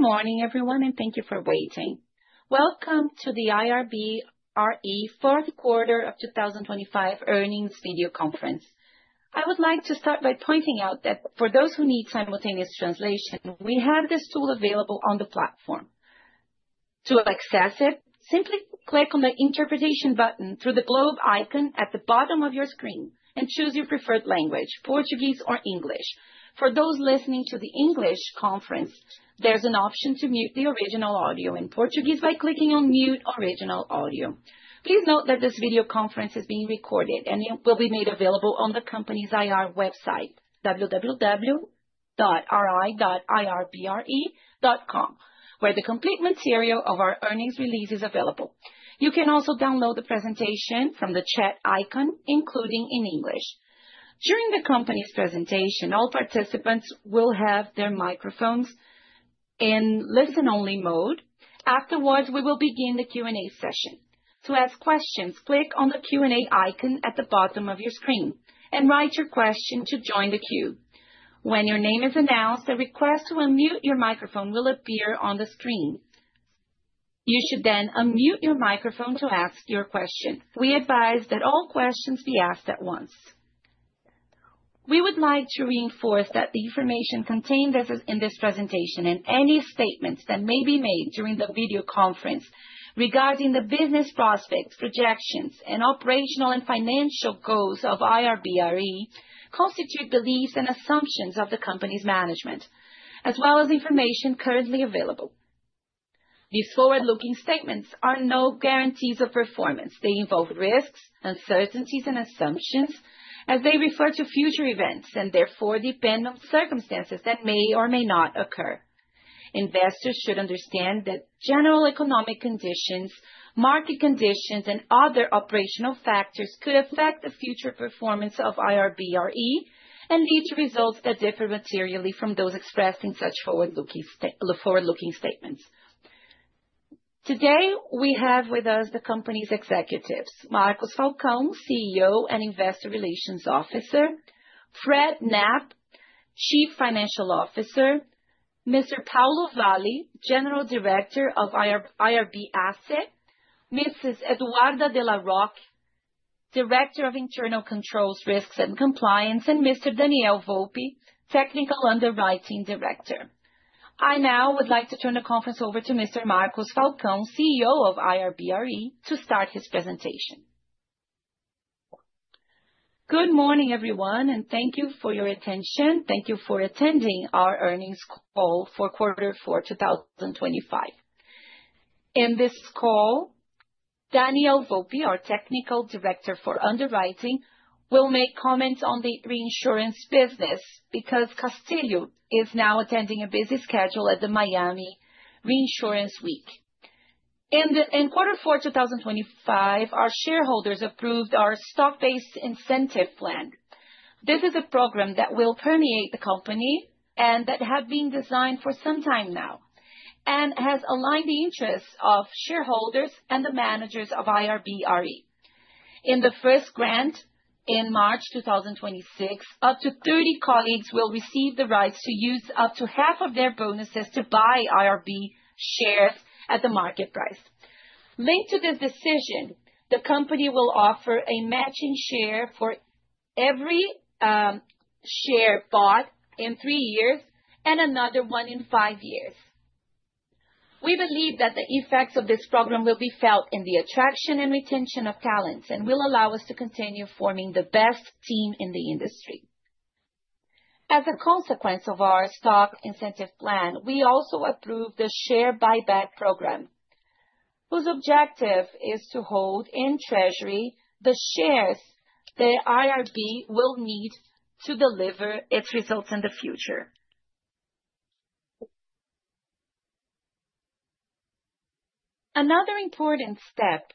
Good morning, everyone, and thank you for waiting. Welcome to the IRBRE fourth quarter of 2025 earnings video conference. I would like to start by pointing out that for those who need simultaneous translation, we have this tool available on the platform. To access it, simply click on the interpretation button through the globe icon at the bottom of your screen and choose your preferred language, Portuguese or English. For those listening to the English conference, there's an option to mute the original audio in Portuguese by clicking on Mute Original Audio. Please note that this video conference is being recorded and it will be made available on the company's IR website, www.ri.irbre.com, where the complete material of our earnings release is available. You can also download the presentation from the chat icon, including in English. During the company's presentation, all participants will have their microphones in listen-only mode. Afterwards, we will begin the Q&A session. To ask questions, click on the Q&A icon at the bottom of your screen and write your question to join the queue. When your name is announced, a request to unmute your microphone will appear on the screen. You should then unmute your microphone to ask your question. We advise that all questions be asked at once. We would like to reinforce that the information contained as is in this presentation, and any statements that may be made during the video conference regarding the business prospects, projections, and operational and financial goals of IRB(Re), constitute beliefs and assumptions of the company's management, as well as information currently available. These forward-looking statements are no guarantees of performance. They involve risks, uncertainties, and assumptions as they refer to future events, and therefore depend on circumstances that may or may not occur. Investors should understand that general economic conditions, market conditions, and other operational factors could affect the future performance of IRB(Re) and lead to results that differ materially from those expressed in such forward-looking statements. Today, we have with us the company's executives, Marcos Falcão, CEO and Investor Relations Officer, Fred Knapp, Chief Financial Officer, Mr. Paulo Vale, General Director of IRB Asset, Mrs. Eduarda de La Rocque, Director of Internal Controls, Risks and Compliance, and Mr. Daniel Volpi, Technical Underwriting Director. I now would like to turn the conference over to Mr. Marcos Falcão, CEO of IRB(Re), to start his presentation. Good morning, everyone, and thank you for your attention. Thank you for attending our earnings call for quarter four, 2025. In this call, Daniel Volpi, our Technical Underwriting Director, will make comments on the reinsurance business because Daniel Castillo is now attending a busy schedule at the Miami Reinsurance Week. In quarter four, 2025, our shareholders approved our stock-based incentive plan. This is a program that will permeate the company and that have been designed for some time now, and has aligned the interests of shareholders and the managers of IRB(Re). In the first grant, in March 2026, up to 30 colleagues will receive the rights to use up to half of their bonuses to buy IRB shares at the market price. Linked to this decision, the company will offer a matching share for every share bought in 3 years and another one in 5 years. We believe that the effects of this program will be felt in the attraction and retention of talents, and will allow us to continue forming the best team in the industry. As a consequence of our stock incentive plan, we also approved the share buyback program, whose objective is to hold in treasury the shares that IRB will need to deliver its results in the future. Another important step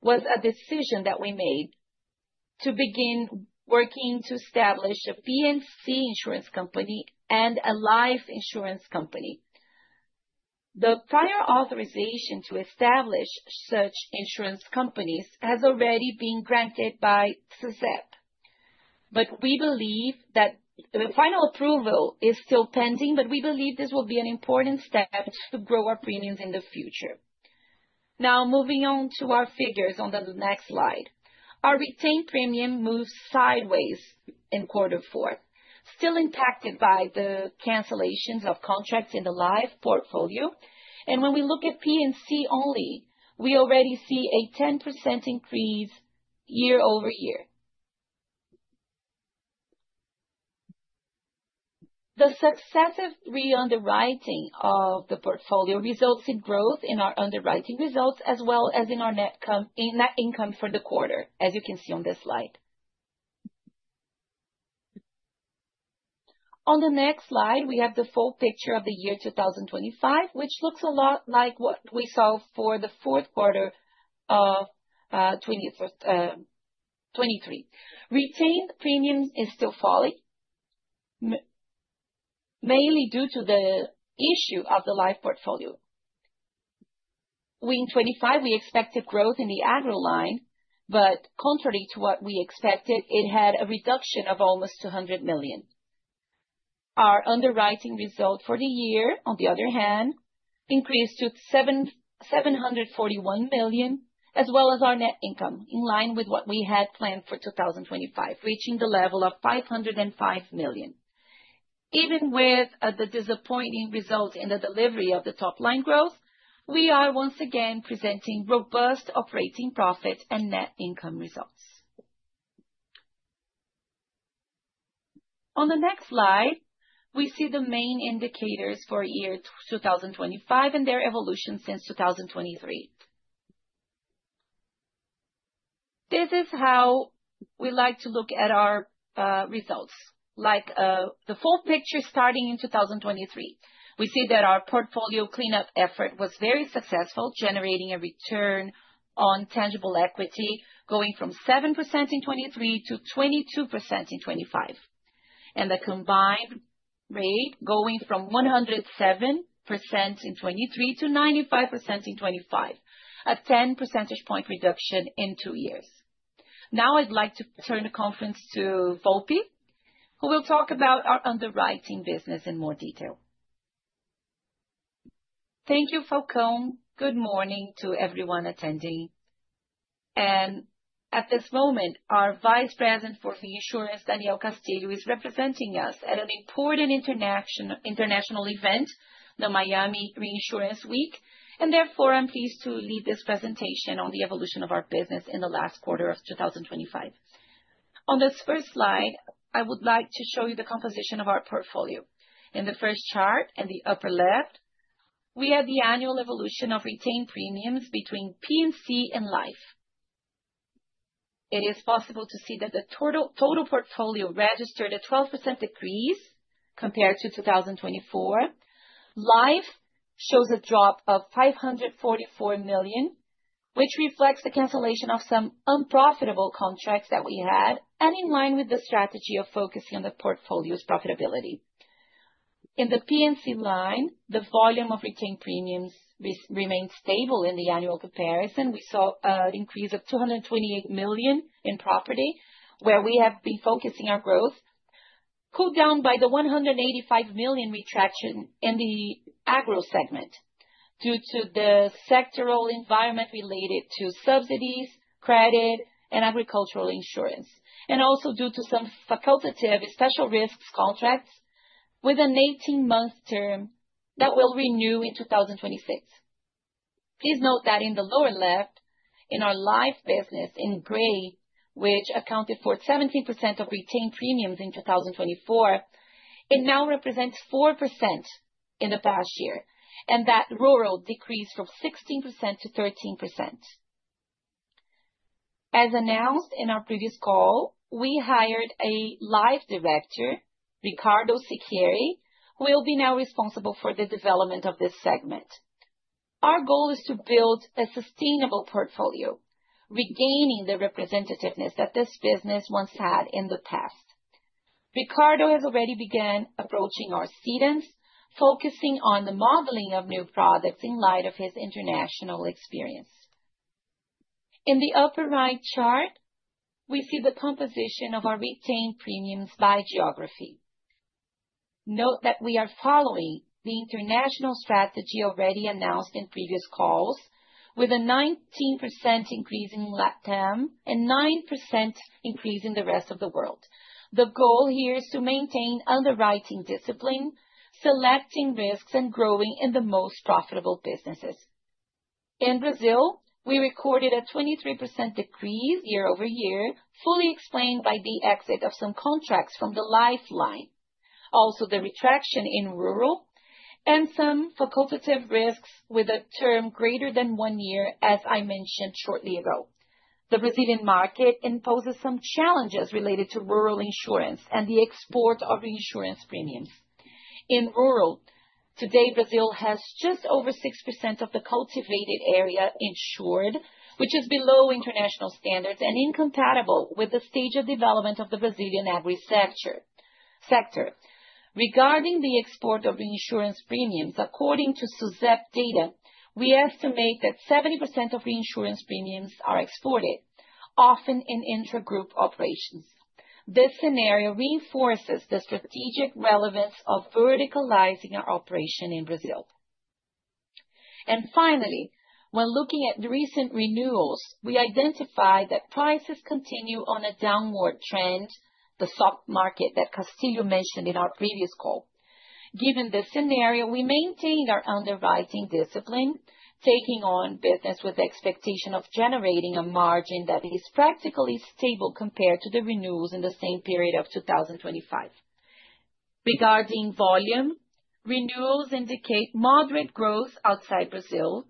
was a decision that we made to begin working to establish a P&C insurance company and a life insurance company. The prior authorization to establish such insurance companies has already been granted by SUSEP, but we believe that the final approval is still pending, but we believe this will be an important step to grow our premiums in the future. Now, moving on to our figures on the next slide. Our retained premium moves sideways in quarter four, still impacted by the cancellations of contracts in the life portfolio, and when we look at P&C only, we already see a 10% increase year-over-year. The successive re-underwriting of the portfolio results in growth in our underwriting results, as well as in our net claims, in net income for the quarter, as you can see on this slide. On the next slide, we have the full picture of the year 2025, which looks a lot like what we saw for the fourth quarter of 2021, 2023. Retained premiums is still falling, mainly due to the issue of the life portfolio. We in 2025, we expected growth in the agro line, but contrary to what we expected, it had a reduction of almost 200 million. Our underwriting result for the year, on the other hand, increased to 771 million, as well as our net income, in line with what we had planned for 2025, reaching the level of 505 million. Even with the disappointing result in the delivery of the top line growth, we are once again presenting robust operating profit and net income results. On the next slide, we see the main indicators for year 2025 and their evolution since 2023. This is how we like to look at our results. Like, the full picture starting in 2023, we see that our portfolio cleanup effort was very successful, generating a return on tangible equity, going from 7% in 2023 to 22% in 2025, and the combined rate going from 107% in 2023 to 95% in 2025, a 10 percentage point reduction in 2 years. Now, I'd like to turn the conference to Volpi, who will talk about our underwriting business in more detail. Thank you, Falcão. Good morning to everyone attending. At this moment, our Vice President for reinsurance, Daniel Castillo, is representing us at an important international event, the Miami Reinsurance Week, and therefore, I'm pleased to lead this presentation on the evolution of our business in the last quarter of 2025. On this first slide, I would like to show you the composition of our portfolio. In the first chart, in the upper left, we have the annual evolution of retained premiums between P&C and Life. It is possible to see that the total portfolio registered a 12% decrease compared to 2024. Life shows a drop of 544 million, which reflects the cancellation of some unprofitable contracts that we had, and in line with the strategy of focusing on the portfolio's profitability. In the P&C line, the volume of retained premiums remains stable in the annual comparison. We saw an increase of 228 million in property, where we have been focusing our growth, cooled down by the 185 million retraction in the agro segment due to the sectoral environment related to subsidies, credit, and agricultural insurance, and also due to some facultative special risks contracts with an 18-month term that will renew in 2026. Please note that in the lower left, in our life business in gray, which accounted for 17% of retained premiums in 2024, it now represents 4% in the past year, and that rural decreased from 16% to 13%. As announced in our previous call, we hired a life director, Ricardo Sicchiere, who will be now responsible for the development of this segment. Our goal is to build a sustainable portfolio, regaining the representativeness that this business once had in the past. Ricardo has already began approaching our cedants, focusing on the modeling of new products in light of his international experience. In the upper right chart, we see the composition of our retained premiums by geography. Note that we are following the international strategy already announced in previous calls, with a 19% increase in Latam and 9% increase in the rest of the world. The goal here is to maintain underwriting discipline, selecting risks, and growing in the most profitable businesses. In Brazil, we recorded a 23% decrease year-over-year, fully explained by the exit of some contracts from the lifeline. Also, the retraction in rural and some facultative risks with a term greater than one year, as I mentioned shortly ago. The Brazilian market imposes some challenges related to rural insurance and the export of reinsurance premiums. In rural, today, Brazil has just over 6% of the cultivated area insured, which is below international standards and incompatible with the stage of development of the Brazilian agri sector. Regarding the export of reinsurance premiums, according to SUSEP data, we estimate that 70% of reinsurance premiums are exported, often in intragroup operations. This scenario reinforces the strategic relevance of verticalizing our operation in Brazil. And finally, when looking at the recent renewals, we identified that prices continue on a downward trend, the soft market that Castillo mentioned in our previous call. Given this scenario, we maintain our underwriting discipline, taking on business with the expectation of generating a margin that is practically stable compared to the renewals in the same period of 2025. Regarding volume, renewals indicate moderate growth outside Brazil,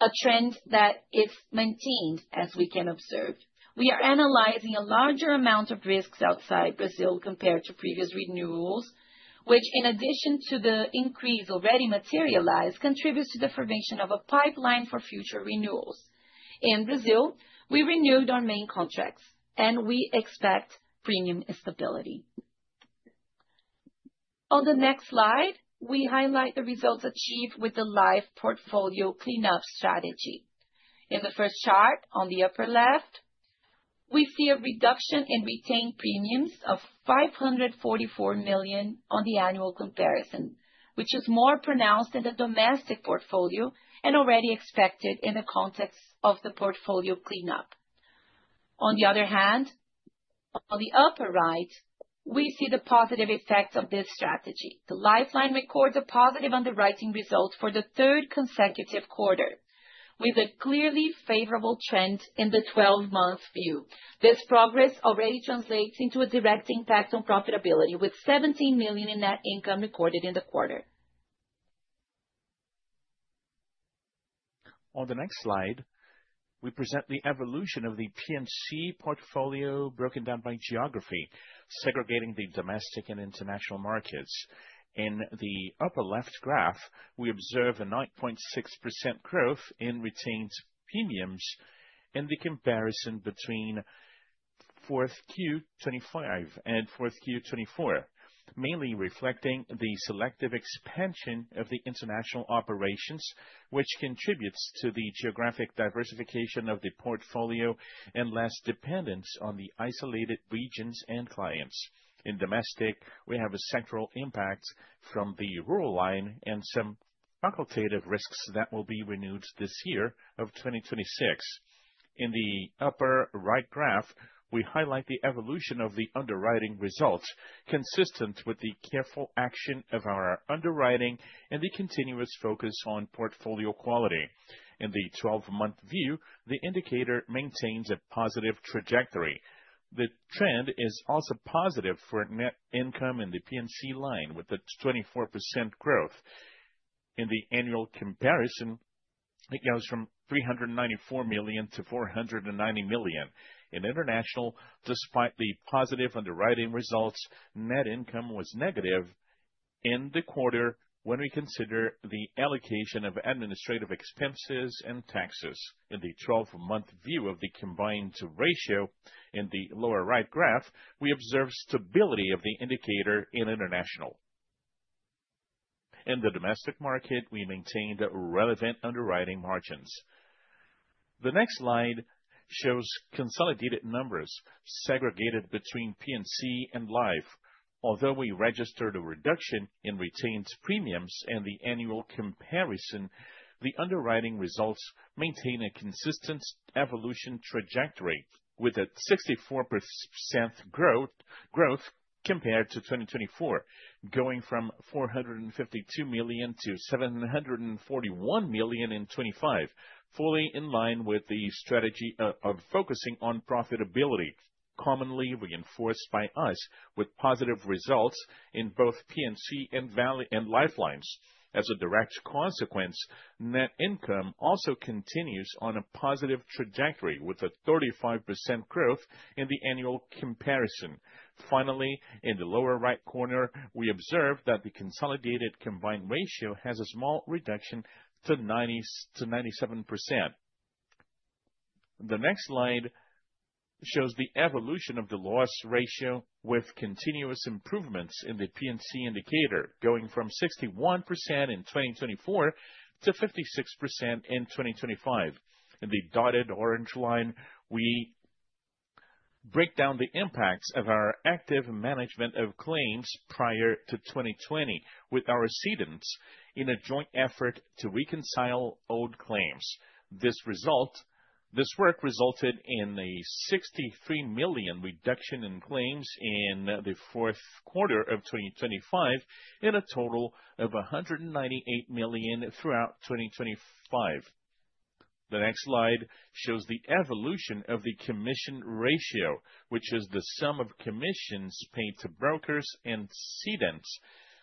a trend that is maintained, as we can observe. We are analyzing a larger amount of risks outside Brazil compared to previous renewals, which, in addition to the increase already materialized, contributes to the formation of a pipeline for future renewals. In Brazil, we renewed our main contracts, and we expect premium stability.... On the next slide, we highlight the results achieved with the live portfolio cleanup strategy. In the first chart, on the upper left, we see a reduction in retained premiums of 544 million on the annual comparison, which is more pronounced in the domestic portfolio and already expected in the context of the portfolio cleanup. On the other hand, on the upper right, we see the positive effect of this strategy. The life line records a positive underwriting result for the third consecutive quarter, with a clearly favorable trend in the 12-month view. This progress already translates into a direct impact on profitability, with 17 million in net income recorded in the quarter. On the next slide, we present the evolution of the P&C portfolio broken down by geography, segregating the domestic and international markets. In the upper left graph, we observe a 9.6% growth in retained premiums in the comparison between fourth Q 2025 and fourth Q 2024, mainly reflecting the selective expansion of the international operations, which contributes to the geographic diversification of the portfolio and less dependence on the isolated regions and clients. In domestic, we have a central impact from the rural line and some facultative risks that will be renewed this year of 2026. In the upper right graph, we highlight the evolution of the underwriting results, consistent with the careful action of our underwriting and the continuous focus on portfolio quality. In the 12-month view, the indicator maintains a positive trajectory. The trend is also positive for net income in the P&C line, with a 24% growth. In the annual comparison, it goes from 394 million to 490 million. In international, despite the positive underwriting results, net income was negative in the quarter when we consider the allocation of administrative expenses and taxes. In the twelve-month view of the combined ratio in the lower right graph, we observe stability of the indicator in international. In the domestic market, we maintained relevant underwriting margins. The next slide shows consolidated numbers segregated between P&C and Life. Although we registered a reduction in retained premiums in the annual comparison, the underwriting results maintain a consistent evolution trajectory, with a 64% growth compared to 2024, going from 452 million to 741 million in 2025, fully in line with the strategy of focusing on profitability, commonly reinforced by us, with positive results in both P&C and value and lifelines. As a direct consequence, net income also continues on a positive trajectory, with a 35% growth in the annual comparison. Finally, in the lower right corner, we observe that the consolidated combined ratio has a small reduction to 97%. The next slide shows the evolution of the loss ratio with continuous improvements in the P&C indicator, going from 61% in 2024 to 56% in 2025. In the dotted orange line, we break down the impacts of our active management of claims prior to 2020, with our cedants in a joint effort to reconcile old claims. This work resulted in a 63 million reduction in claims in the fourth quarter of 2025, and a total of 198 million throughout 2025. The next slide shows the evolution of the commission ratio, which is the sum of commissions paid to brokers and cedants,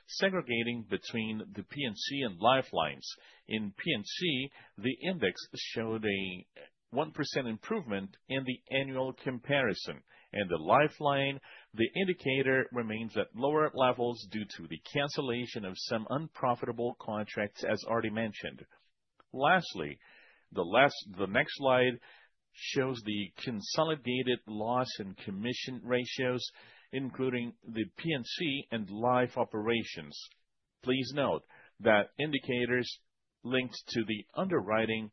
segregating between the P&C and lifelines. In P&C, the index showed a 1% improvement in the annual comparison. In the lifeline, the indicator remains at lower levels due to the cancellation of some unprofitable contracts, as already mentioned. Lastly, the next slide shows the consolidated loss and commission ratios, including the P&C and life operations. Please note that indicators linked to the underwriting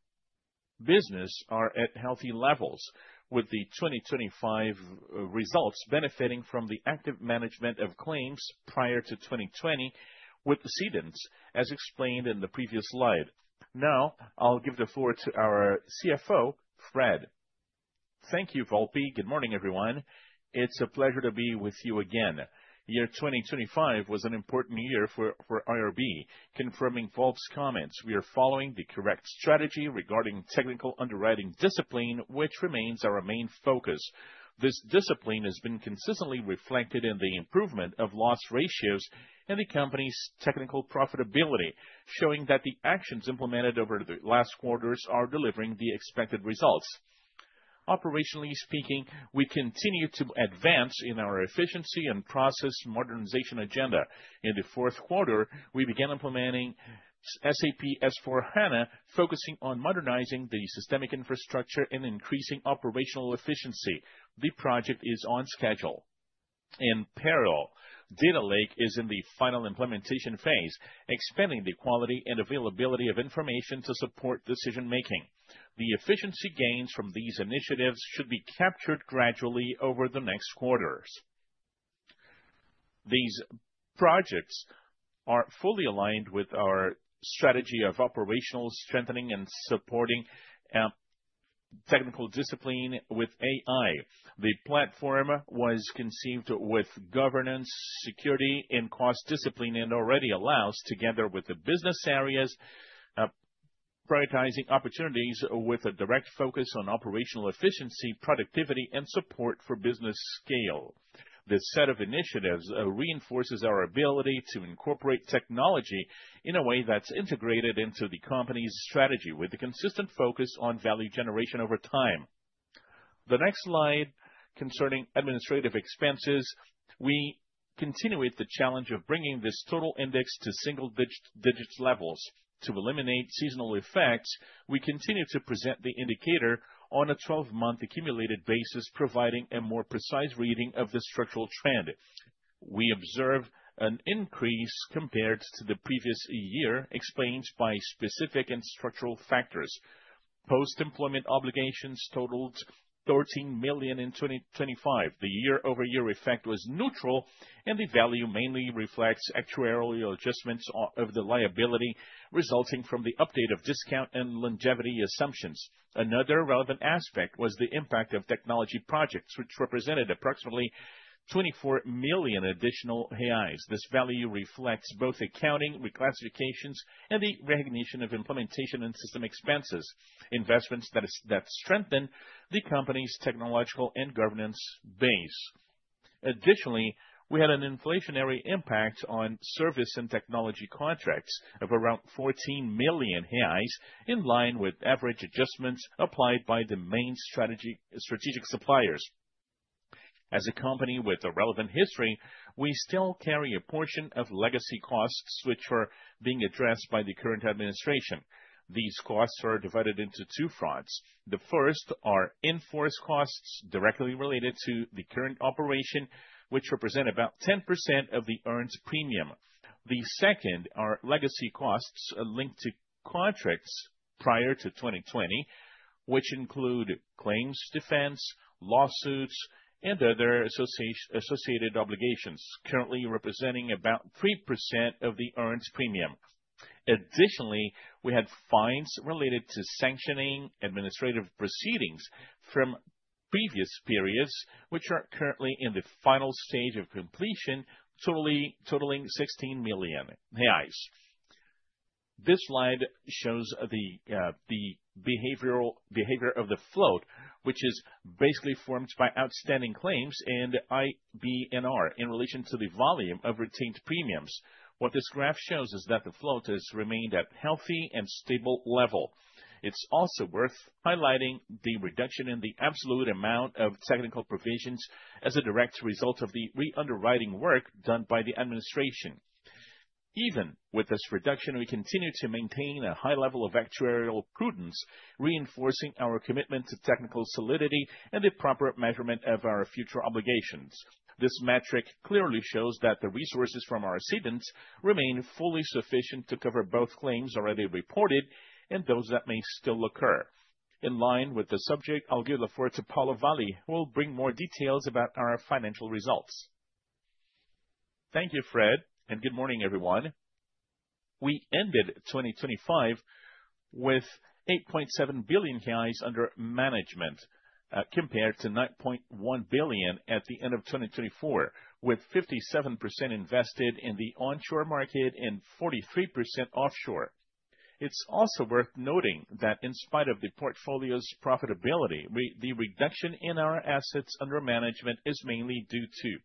business are at healthy levels, with the 2025 results benefiting from the active management of claims prior to 2020 with the cedants, as explained in the previous slide. Now, I'll give the floor to our CFO, Fred. Thank you, Volpi. Good morning, everyone. It's a pleasure to be with you again. The year 2025 was an important year for IRB. Confirming Volpi's comments, we are following the correct strategy regarding technical underwriting discipline, which remains our main focus. This discipline has been consistently reflected in the improvement of loss ratios and the company's technical profitability, showing that the actions implemented over the last quarters are delivering the expected results. Operationally speaking, we continue to advance in our efficiency and process modernization agenda. In the fourth quarter, we began implementing SAP S/4HANA, focusing on modernizing the systemic infrastructure and increasing operational efficiency. The project is on schedule. In parallel, Data Lake is in the final implementation phase, expanding the quality and availability of information to support decision making. The efficiency gains from these initiatives should be captured gradually over the next quarters. These projects are fully aligned with our strategy of operational strengthening and supporting technical discipline with AI. The platform was conceived with governance, security, and cost discipline, and already allows, together with the business areas, prioritizing opportunities with a direct focus on operational efficiency, productivity, and support for business scale. This set of initiatives reinforces our ability to incorporate technology in a way that's integrated into the company's strategy, with a consistent focus on value generation over time. The next slide, concerning administrative expenses, we continue with the challenge of bringing this total index to single digits levels. To eliminate seasonal effects, we continue to present the indicator on a 12-month accumulated basis, providing a more precise reading of the structural trend. We observe an increase compared to the previous year, explained by specific and structural factors. Post-employment obligations totaled 13 million in 2025. The year-over-year effect was neutral, and the value mainly reflects actuarial adjustments of the liability, resulting from the update of discount and longevity assumptions. Another relevant aspect was the impact of technology projects, which represented approximately 24 million reais additional. This value reflects both accounting, reclassifications, and the recognition of implementation and system expenses, investments that strengthen the company's technological and governance base. Additionally, we had an inflationary impact on service and technology contracts of around 14 million reais, in line with average adjustments applied by the main strategy, strategic suppliers. As a company with a relevant history, we still carry a portion of legacy costs, which were being addressed by the current administration. These costs are divided into two fronts. The first are in-force costs, directly related to the current operation, which represent about 10% of the earned premium. The second are legacy costs, linked to contracts prior to 2020, which include claims, defense, lawsuits, and other associated obligations, currently representing about 3% of the earned premium. Additionally, we had fines related to sanctioning administrative proceedings from previous periods, which are currently in the final stage of completion, totaling 16 million. This slide shows the behavior of the float, which is basically formed by outstanding claims and IBNR, in relation to the volume of retained premiums. What this graph shows is that the float has remained at healthy and stable level. It's also worth highlighting the reduction in the absolute amount of technical provisions as a direct result of the re-underwriting work done by the administration. Even with this reduction, we continue to maintain a high level of actuarial prudence, reinforcing our commitment to technical solidity and the proper measurement of our future obligations. This metric clearly shows that the resources from our cedants remain fully sufficient to cover both claims already reported and those that may still occur. In line with the subject, I'll give the floor to Paulo Vale, who will bring more details about our financial results. Thank you, Fred, and good morning, everyone. We ended 2025 with 8.7 billion under management, compared to 9.1 billion at the end of 2024, with 57% invested in the onshore market and 43% offshore. It's also worth noting that in spite of the portfolio's profitability, the reduction in our assets under management is mainly due to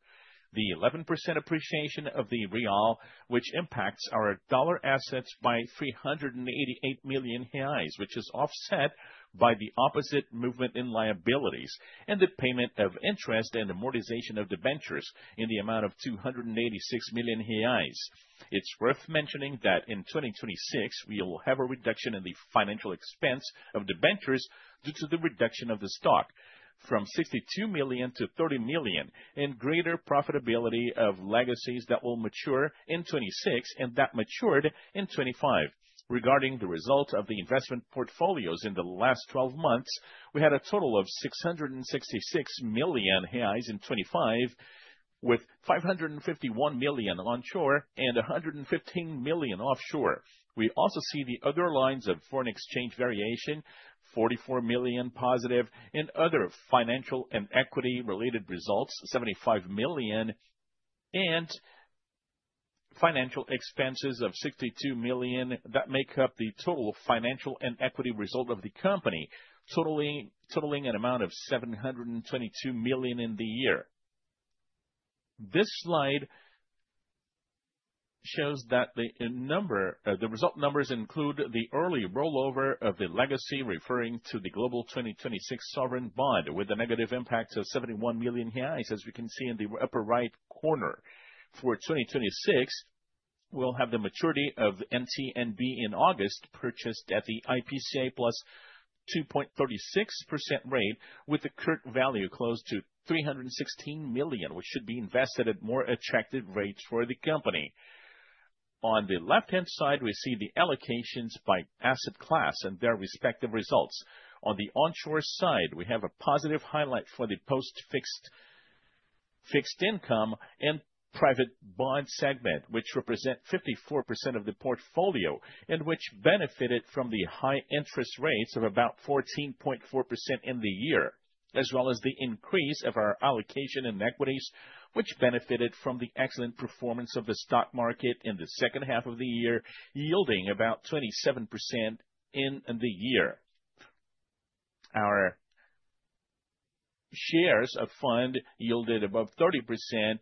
the 11% appreciation of the real, which impacts our dollar assets by 388 million reais, which is offset by the opposite movement in liabilities and the payment of interest and amortization of debentures in the amount of 286 million reais. It's worth mentioning that in 2026, we will have a reduction in the financial expense of debentures due to the reduction of the stock from 62 million to 30 million, and greater profitability of legacies that will mature in 2026 and that matured in 2025. Regarding the result of the investment portfolios in the last twelve months, we had a total of 666 million reais in 2025, with 551 million onshore and 115 million offshore. We also see the other lines of foreign exchange variation, 44 million positive, and other financial and equity-related results, 75 million, and financial expenses of 62 million, that make up the total financial and equity result of the company, totaling an amount of 722 million in the year. This slide shows that the number, the result numbers include the early rollover of the legacy, referring to the Global 2026 sovereign bond, with a negative impact of 71 million, as we can see in the upper right corner. For 2026-... We'll have the maturity of NTN-B in August, purchased at the IPCA + 2.36% rate, with a current value close to 316 million, which should be invested at more attractive rates for the company. On the left-hand side, we see the allocations by asset class and their respective results. On the onshore side, we have a positive highlight for the post-fixed, fixed income and private bond segment, which represent 54% of the portfolio, and which benefited from the high interest rates of about 14.4% in the year, as well as the increase of our allocation in equities, which benefited from the excellent performance of the stock market in the second half of the year, yielding about 27% in the year. Our shares of fund yielded above 30%,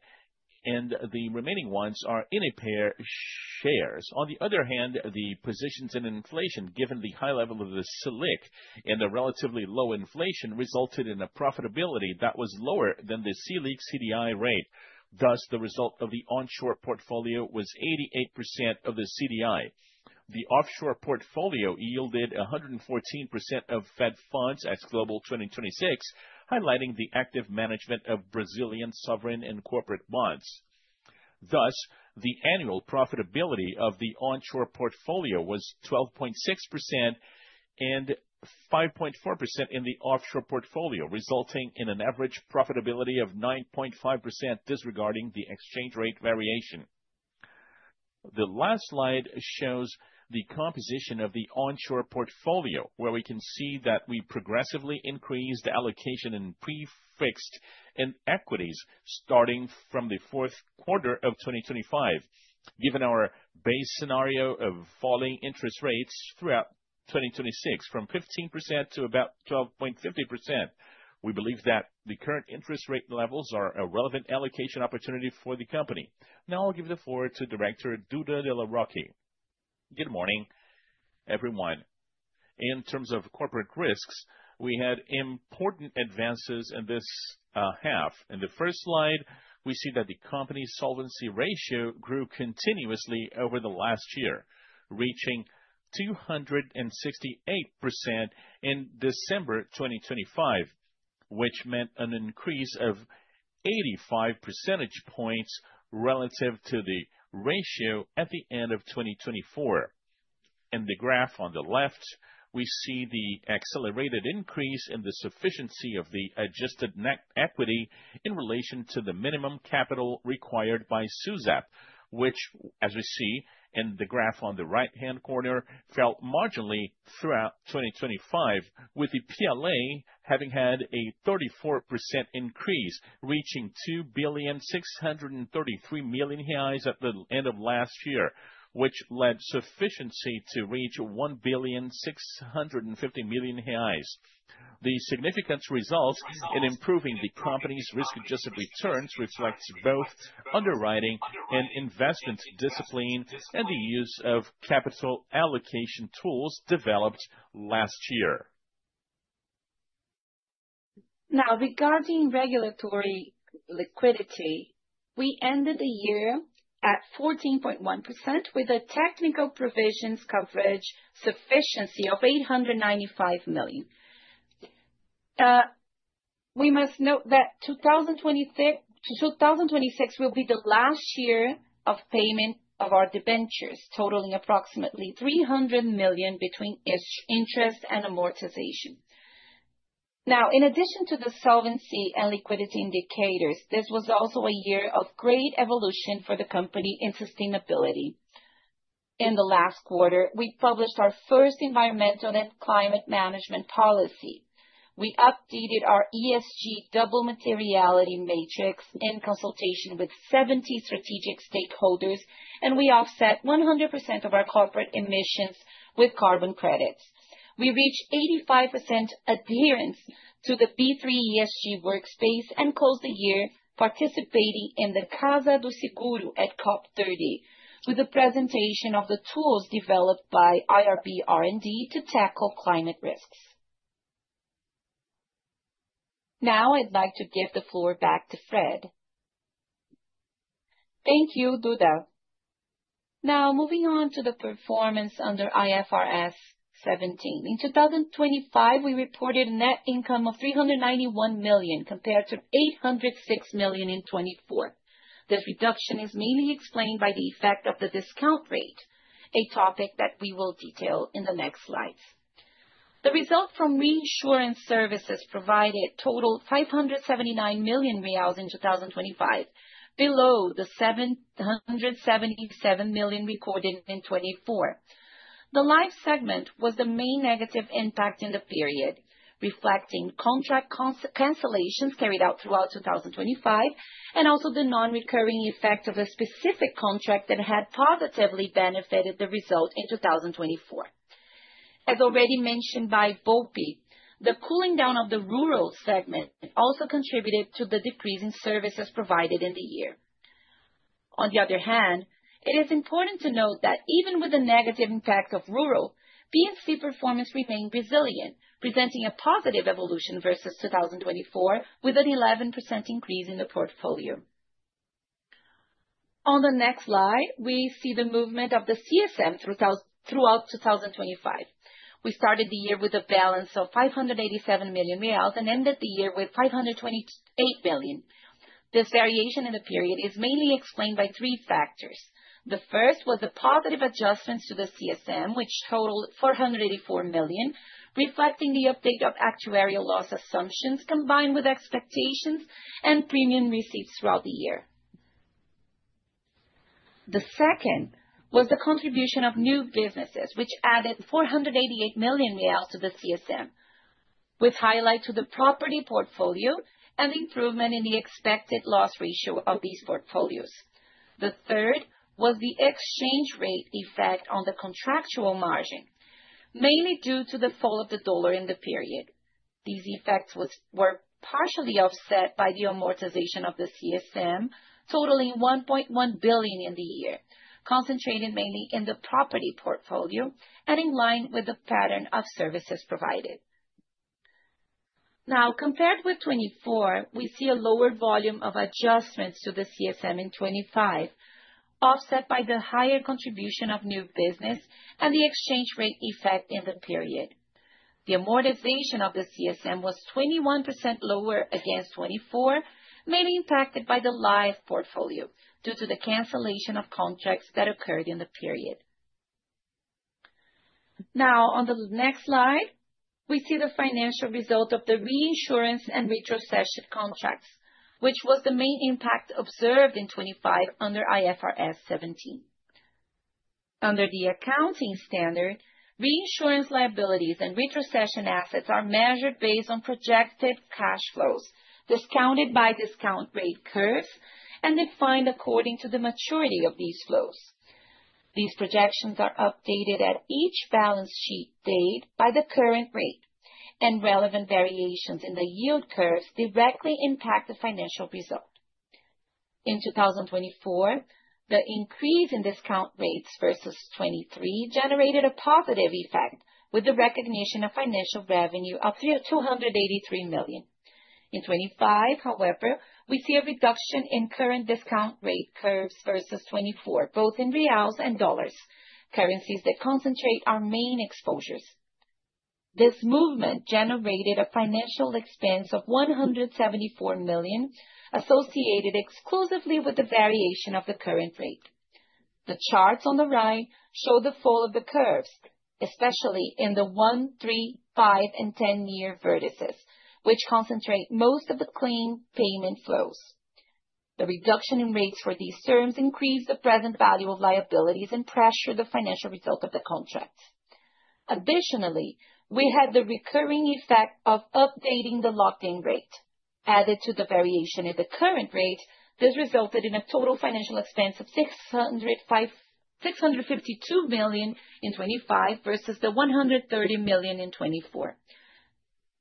and the remaining ones are in a pair shares. On the other hand, the positions in inflation, given the high level of the Selic and the relatively low inflation, resulted in a profitability that was lower than the Selic CDI rate. Thus, the result of the onshore portfolio was 88% of the CDI. The offshore portfolio yielded 114% of Fed Funds as Global 2026, highlighting the active management of Brazilian sovereign and corporate bonds. Thus, the annual profitability of the onshore portfolio was 12.6% and 5.4% in the offshore portfolio, resulting in an average profitability of 9.5%, disregarding the exchange rate variation. The last slide shows the composition of the onshore portfolio, where we can see that we progressively increased the allocation in pre-fixed in equities starting from the fourth quarter of 2025. Given our base scenario of falling interest rates throughout 2026, from 15% to about 12.50%, we believe that the current interest rate levels are a relevant allocation opportunity for the company. Now I'll give the floor to Director Duda de La Rocque. Good morning, everyone. In terms of corporate risks, we had important advances in this half. In the first slide, we see that the company's solvency ratio grew continuously over the last year, reaching 268% in December 2025, which meant an increase of 85 percentage points relative to the ratio at the end of 2024. In the graph on the left, we see the accelerated increase in the sufficiency of the adjusted net equity in relation to the minimum capital required by SUSEP, which, as we see in the graph on the right-hand corner, fell marginally throughout 2025, with the PLA having had a 34% increase, reaching 2,633 million reais at the end of last year, which led sufficiency to reach 1,650 million reais. The significant results in improving the company's risk-adjusted returns reflects both underwriting and investment discipline, and the use of capital allocation tools developed last year. Now, regarding regulatory liquidity, we ended the year at 14.1% with a technical provisions coverage sufficiency of 895 million. We must note that 2026 will be the last year of payment of our debentures, totaling approximately 300 million between its interest and amortization. Now, in addition to the solvency and liquidity indicators, this was also a year of great evolution for the company in sustainability. In the last quarter, we published our first environmental and climate management policy. We updated our ESG double materiality matrix in consultation with 70 strategic stakeholders, and we offset 100% of our corporate emissions with carbon credits. We reached 85% adherence to the P3 ESG workspace, and closed the year participating in the Casa do Seguro at COP30, with the presentation of the tools developed by IRB R&D to tackle climate risks. Now, I'd like to give the floor back to Fred. Thank you, Duda. Now, moving on to the performance under IFRS 17. In 2025, we reported net income of 391 million, compared to 806 million in 2024. This reduction is mainly explained by the effect of the discount rate, a topic that we will detail in the next slides. The result from reinsurance services provided totaled BRL 579 million in 2025, below the 777 million recorded in 2024. The life segment was the main negative impact in the period, reflecting contract cancellations carried out throughout 2025, and also the non-recurring effect of a specific contract that had positively benefited the result in 2024. As already mentioned by Volpi, the cooling down of the rural segment also contributed to the decrease in services provided in the year. On the other hand, it is important to note that even with the negative impact of rural, P&C performance remained resilient, presenting a positive evolution versus 2024, with an 11% increase in the portfolio. ...On the next slide, we see the movement of the CSM throughout 2025. We started the year with a balance of 587 million reais, and ended the year with 528 billion. This variation in the period is mainly explained by three factors. The first was the positive adjustments to the CSM, which totaled BRL 484 million, reflecting the update of actuarial loss assumptions, combined with expectations and premium receipts throughout the year. The second was the contribution of new businesses, which added BRL 488 million to the CSM, with highlight to the property portfolio and improvement in the expected loss ratio of these portfolios. The third was the exchange rate effect on the contractual margin, mainly due to the fall of the dollar in the period. These effects were partially offset by the amortization of the CSM, totaling 1.1 billion in the year, concentrated mainly in the property portfolio and in line with the pattern of services provided. Now, compared with 2024, we see a lower volume of adjustments to the CSM in 2025, offset by the higher contribution of new business and the exchange rate effect in the period. The amortization of the CSM was 21% lower against 2024, mainly impacted by the life portfolio, due to the cancellation of contracts that occurred in the period. Now, on the next slide, we see the financial result of the reinsurance and retrocession contracts, which was the main impact observed in 2025 under IFRS 17. Under the accounting standard, reinsurance liabilities and retrocession assets are measured based on projected cash flows, discounted by discount rate curves and defined according to the maturity of these flows. These projections are updated at each balance sheet date by the current rate, and relevant variations in the yield curves directly impact the financial result. In 2024, the increase in discount rates versus 2023 generated a positive effect, with the recognition of financial revenue of 283 million. In 2025, however, we see a reduction in current discount rate curves versus 2024, both in reals and dollars, currencies that concentrate our main exposures. This movement generated a financial expense of 174 million, associated exclusively with the variation of the current rate. The charts on the right show the fall of the curves, especially in the 1-, 3-, 5-, and 10-year vertices, which concentrate most of the claim payment flows. The reduction in rates for these terms increase the present value of liabilities and pressure the financial result of the contract. Additionally, we had the recurring effect of updating the locked-in rate. Added to the variation in the current rate, this resulted in a total financial expense of 652 million in 2025, versus the 130 million in 2024.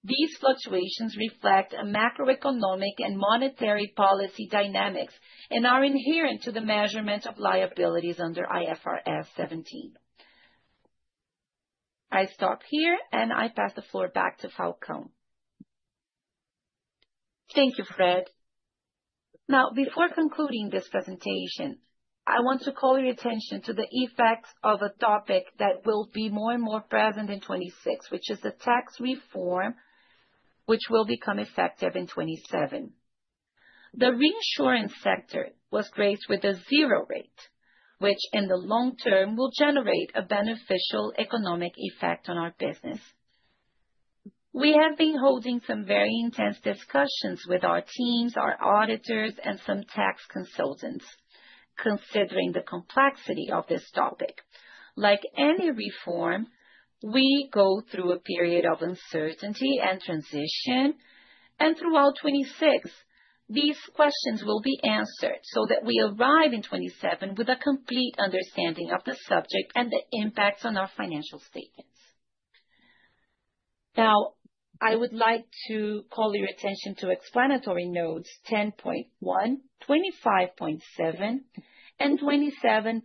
These fluctuations reflect a macroeconomic and monetary policy dynamics and are inherent to the measurement of liabilities under IFRS 17. I stop here, and I pass the floor back to Falcão. Thank you, Fred. Now, before concluding this presentation, I want to call your attention to the effects of a topic that will be more and more present in 2026, which is the tax reform, which will become effective in 2027. The reinsurance sector was graced with a zero rate, which in the long term will generate a beneficial economic effect on our business. We have been holding some very intense discussions with our teams, our auditors, and some tax consultants, considering the complexity of this topic. Like any reform, we go through a period of uncertainty and transition, and throughout 2026, these questions will be answered so that we arrive in 2027 with a complete understanding of the subject and the impacts on our financial statements. Now, I would like to call your attention to explanatory notes 10.1, 25.7, and 27.18,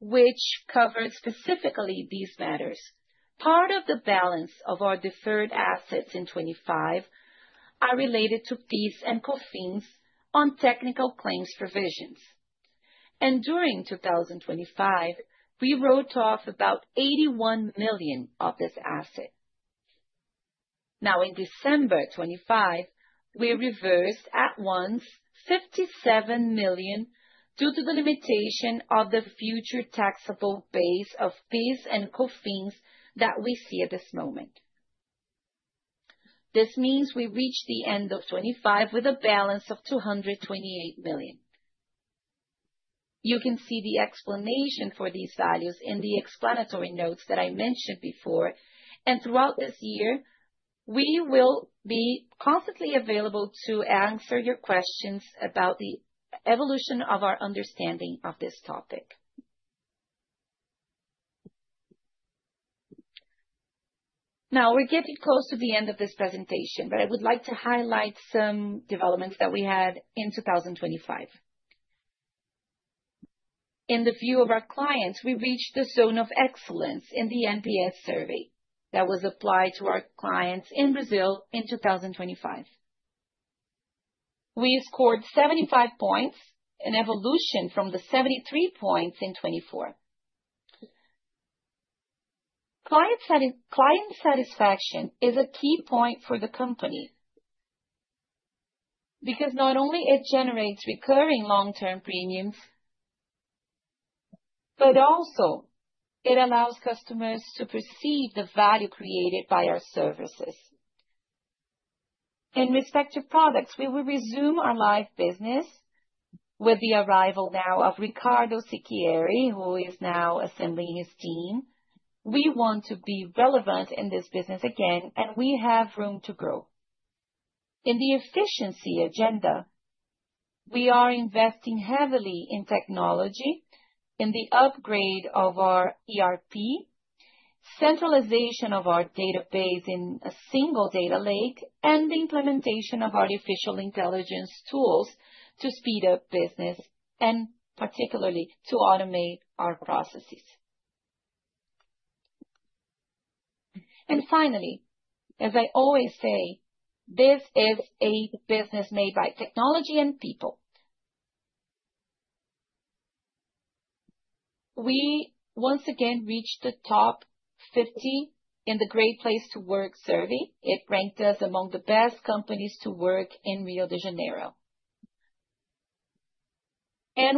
which covered specifically these matters. Part of the balance of our deferred assets in 2025 are related to PIS and COFINS on technical claims provisions. During 2025, we wrote off about 81 million of this asset. Now, in December 2025, we reversed at once 57 million due to the limitation of the future taxable base of PIS and COFINS that we see at this moment. This means we reached the end of 2025 with a balance of 228 million. You can see the explanation for these values in the explanatory notes that I mentioned before, and throughout this year, we will be constantly available to answer your questions about the evolution of our understanding of this topic. Now, we're getting close to the end of this presentation, but I would like to highlight some developments that we had in 2025.... In the view of our clients, we reached the zone of excellence in the NPS survey that was applied to our clients in Brazil in 2025. We scored 75 points, an evolution from the 73 points in 2024. Client satisfaction is a key point for the company, because not only it generates recurring long-term premiums, but also it allows customers to perceive the value created by our services. In respect to products, we will resume our life business with the arrival now of Ricardo Sicchiere, who is now assembling his team. We want to be relevant in this business again, and we have room to grow. In the efficiency agenda, we are investing heavily in technology, in the upgrade of our ERP, centralization of our database in a single data lake, and the implementation of artificial intelligence tools to speed up business and particularly to automate our processes. Finally, as I always say, this is a business made by technology and people. We once again reached the top 50 in the Great Place to Work survey. It ranked us among the best companies to work in Rio de Janeiro.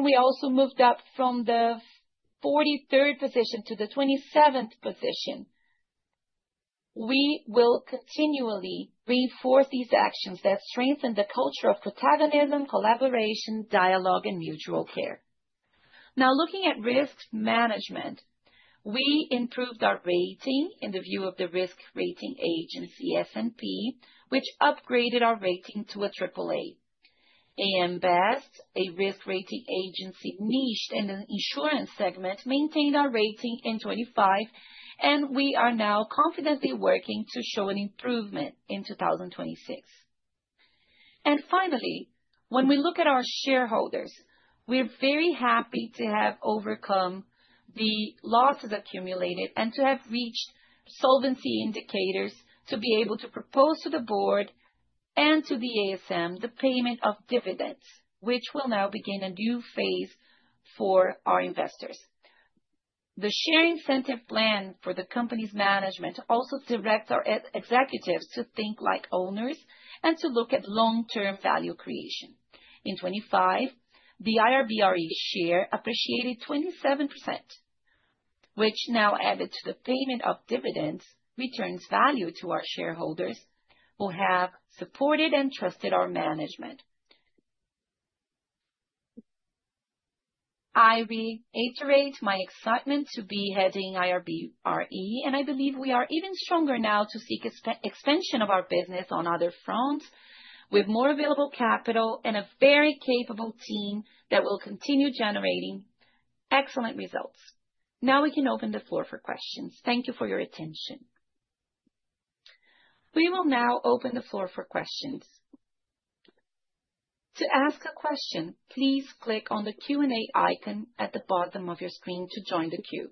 We also moved up from the 43rd position to the 27th position. We will continually reinforce these actions that strengthen the culture of protagonism, collaboration, dialogue, and mutual care. Now, looking at risk management, we improved our rating in the view of the risk rating agency, S&P, which upgraded our rating to AAA. AM Best, a risk rating agency niched in an insurance segment, maintained our rating in 2025, and we are now confidently working to show an improvement in 2026. Finally, when we look at our shareholders, we're very happy to have overcome the losses accumulated and to have reached solvency indicators to be able to propose to the board and to the ASM the payment of dividends, which will now begin a new phase for our investors. The share incentive plan for the company's management also directs our ex-executives to think like owners and to look at long-term value creation. In 2025, the IRB(Re) share appreciated 27%, which now added to the payment of dividends, returns value to our shareholders who have supported and trusted our management. I reiterate my excitement to be heading IRB(Re), and I believe we are even stronger now to seek expansion of our business on other fronts, with more available capital and a very capable team that will continue generating excellent results. Now we can open the floor for questions. Thank you for your attention. We will now open the floor for questions. To ask a question, please click on the Q&A icon at the bottom of your screen to join the queue.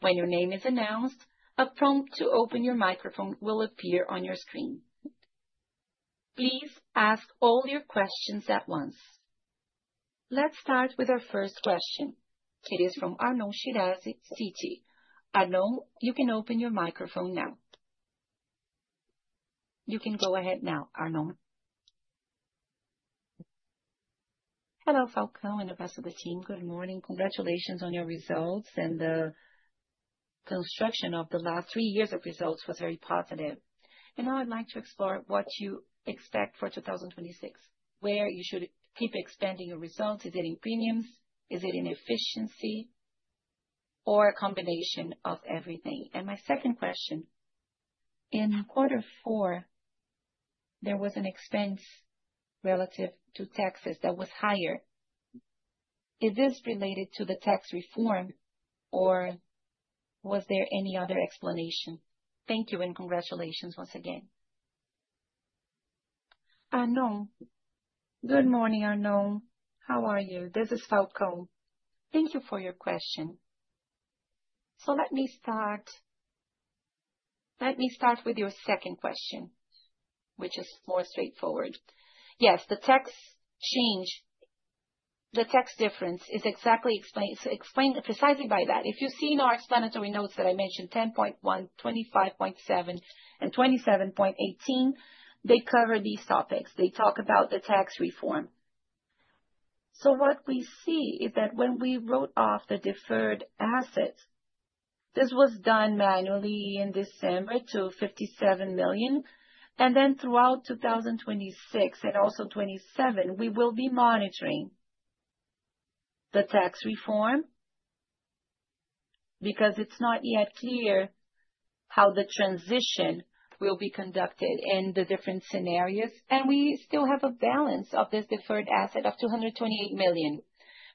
When your name is announced, a prompt to open your microphone will appear on your screen. Please ask all your questions at once. Let's start with our first question. It is from Arnaud Shirazi, Citi. Arnaud, you can open your microphone now. You can go ahead now, Arnaud. Hello, Falcão and the rest of the team. Good morning. Congratulations on your results, and the construction of the last three years of results was very positive. And now I'd like to explore what you expect for 2026, where you should keep expanding your results. Is it in premiums? Is it in efficiency or a combination of everything? And my second question: in quarter four, there was an expense relative to taxes that was higher. Is this related to the tax reform, or was there any other explanation? Thank you, and congratulations once again. Arnaud. Good morning, Arnaud. How are you? This is Falcão. Thank you for your question. So let me start, let me start with your second question, which is more straightforward. Yes, the tax change—the tax difference is exactly explains, explained precisely by that. If you've seen our explanatory notes that I mentioned, 10.1, 25.7, and 27.18, they cover these topics. They talk about the tax reform. So what we see is that when we wrote off the deferred assets, this was done manually in December to 57 million, and then throughout 2026 and also 2027, we will be monitoring the tax reform because it's not yet clear how the transition will be conducted and the different scenarios, and we still have a balance of this deferred asset of 228 million.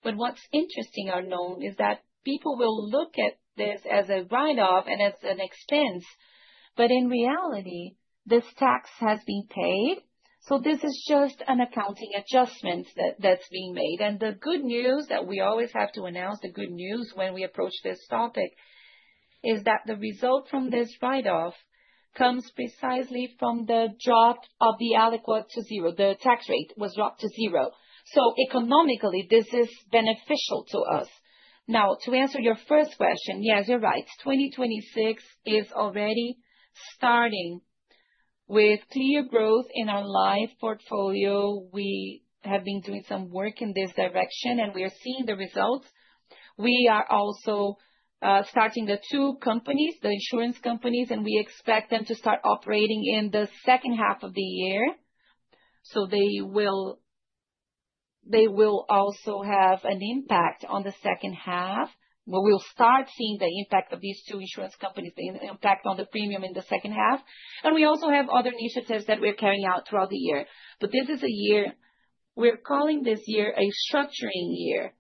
But what's interesting, Arnaud, is that people will look at this as a write-off and as an expense, but in reality, this tax has been paid. So this is just an accounting adjustment that that's being made. The good news, that we always have to announce the good news when we approach this topic, is that the result from this write-off comes precisely from the drop of the tax rate to zero. The tax rate was dropped to zero, so economically, this is beneficial to us. Now, to answer your first question, yes, you're right. 2026 is already starting with clear growth in our life portfolio. We have been doing some work in this direction, and we are seeing the results. We are also starting the two companies, the insurance companies, and we expect them to start operating in the second half of the year. So they will, they will also have an impact on the second half. But we'll start seeing the impact of these two insurance companies, the impact on the premium in the second half. We also have other initiatives that we're carrying out throughout the year. This is a year... We're calling this year a structuring year.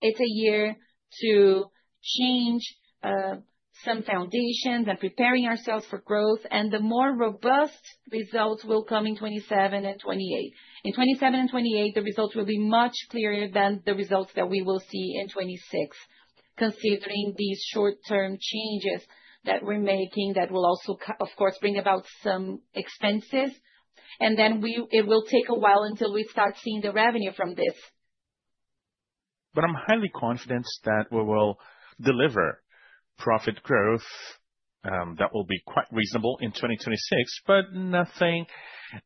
It's a year to change some foundations and preparing ourselves for growth, and the more robust results will come in 2027 and 2028. In 2027 and 2028, the results will be much clearer than the results that we will see in 2026, considering these short-term changes that we're making, that will also, of course, bring about some expenses. Then it will take a while until we start seeing the revenue from this. But I'm highly confident that we will deliver profit growth, that will be quite reasonable in 2026, but nothing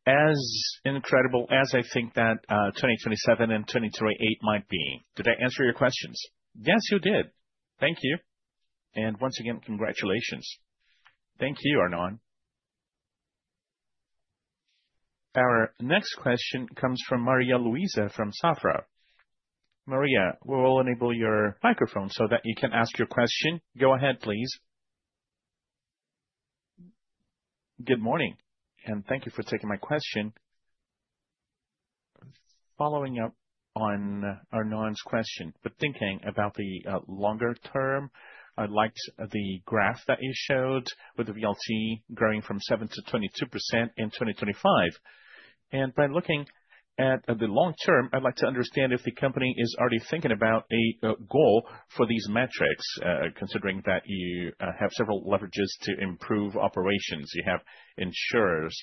as incredible as I think that, 2027 and 2028 might be. Did I answer your questions? Yes, you did. Thank you. Once again, congratulations. Thank you, Arnon. Our next question comes from Maria Louisa from Safra. Maria, we'll enable your microphone so that you can ask your question. Go ahead, please. Good morning, and thank you for taking my question. Following up on Arnaud's question, but thinking about the longer term, I liked the graph that you showed with the VLT growing from 7%-22% in 2025. And by looking at the long term, I'd like to understand if the company is already thinking about a goal for these metrics, considering that you have several leverages to improve operations. You have insurers,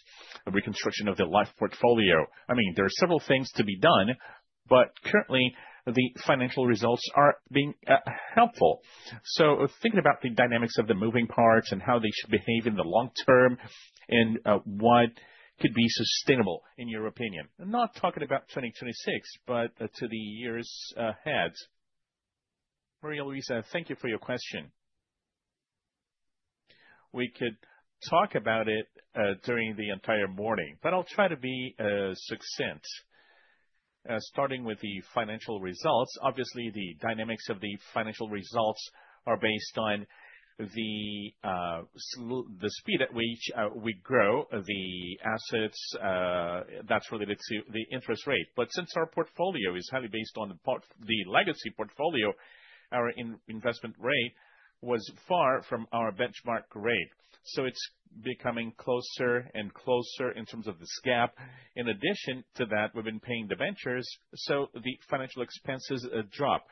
a reconstruction of the life portfolio. I mean, there are several things to be done, but currently, the financial results are being helpful. So thinking about the dynamics of the moving parts and how they should behave in the long term, and what could be sustainable in your opinion? I'm not talking about 2026, but to the years ahead. Maria Louisa, thank you for your question. We could talk about it during the entire morning, but I'll try to be succinct. Starting with the financial results, obviously, the dynamics of the financial results are based on the speed at which we grow the assets, that's related to the interest rate. But since our portfolio is highly based on the legacy portfolio, our investment rate was far from our benchmark rate, so it's becoming closer and closer in terms of this gap. In addition to that, we've been paying dividends, so the financial expenses drop.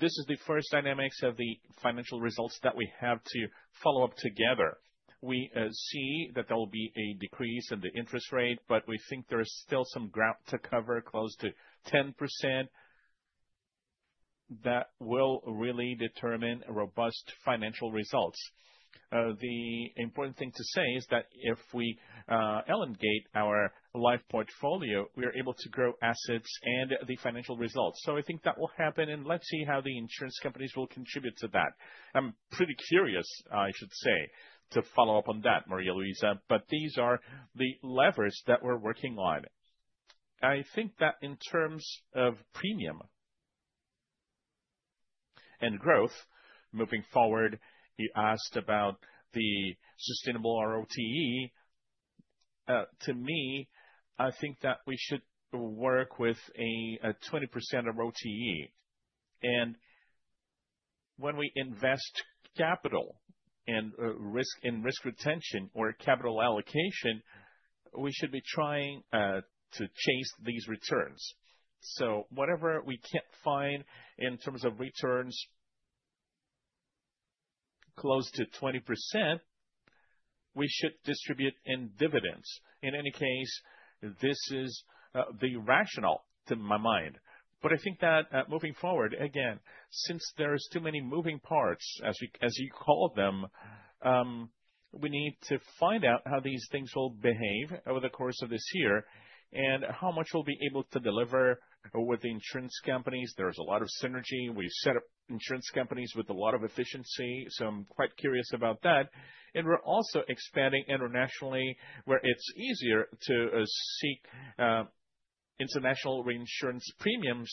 This is the first dynamics of the financial results that we have to follow up together. We see that there will be a decrease in the interest rate, but we think there is still some ground to cover, close to 10%. That will really determine robust financial results. The important thing to say is that if we elongate our life portfolio, we are able to grow assets and the financial results. So I think that will happen, and let's see how the insurance companies will contribute to that. I'm pretty curious, I should say, to follow up on that, Maria Louisa, but these are the levers that we're working on. I think that in terms of premium and growth moving forward, you asked about the sustainable ROTE. To me, I think that we should work with a 20% ROTE. And when we invest capital and risk, and risk retention or capital allocation, we should be trying to chase these returns. So whatever we can't find in terms of returns close to 20%, we should distribute in dividends. In any case, this is the rational to my mind. But I think that, moving forward, again, since there is too many moving parts, as you call them, we need to find out how these things will behave over the course of this year and how much we'll be able to deliver with the insurance companies. There's a lot of synergy. We've set up insurance companies with a lot of efficiency, so I'm quite curious about that. And we're also expanding internationally, where it's easier to seek international reinsurance premiums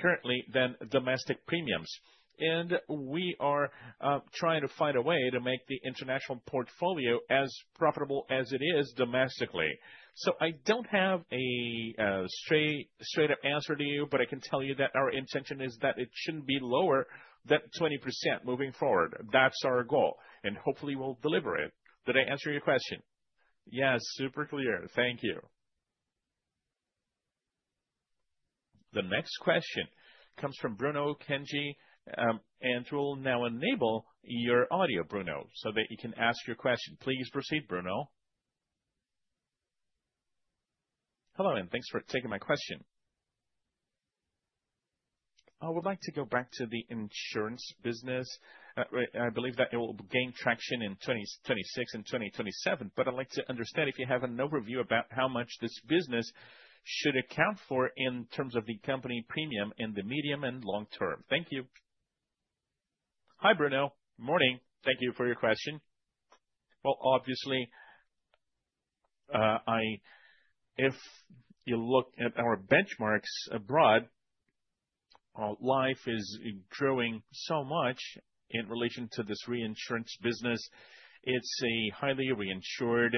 currently than domestic premiums. And we are trying to find a way to make the international portfolio as profitable as it is domestically. So I don't have a straight, straight-up answer to you, but I can tell you that our intention is that it shouldn't be lower than 20% moving forward. That's our goal, and hopefully we'll deliver it. Did I answer your question? Yes, super clear. Thank you.... The next question comes from Bruno Kenji, and we'll now enable your audio, Bruno, so that you can ask your question. Please proceed, Bruno. Hello, and thanks for taking my question. I would like to go back to the insurance business. I believe that it will gain traction in 2026 and 2027, but I'd like to understand if you have an overview about how much this business should account for in terms of the company premium in the medium and long term. Thank you. Hi, Bruno. Morning. Thank you for your question. Well, obviously, If you look at our benchmarks abroad, Life is growing so much in relation to this reinsurance business. It's a highly reinsured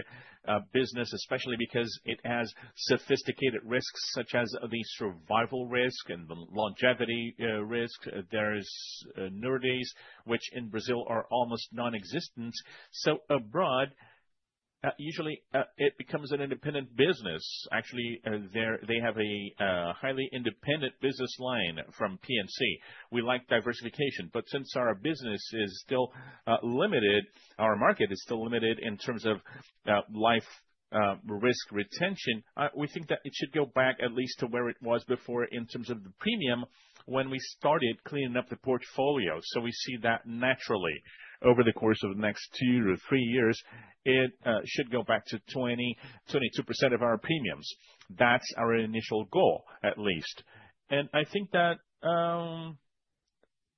business, especially because it has sophisticated risks, such as the survival risk and the longevity risk. There's nowadays which in Brazil are almost non-existent. So abroad, usually, it becomes an independent business. Actually, there, they have a highly independent business line from P&C. We like diversification, but since our business is still limited, our market is still limited in terms of life risk retention, we think that it should go back at least to where it was before in terms of the premium when we started cleaning up the portfolio. So we see that naturally, over the course of the next 2-3 years, it should go back to 20%-22% of our premiums. That's our initial goal, at least. And I think that...